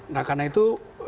nah karena itu